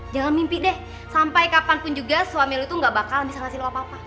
jangan mimpi deh sampai kapanpun juga suami lu itu gak bakal bisa ngasih lo apa apa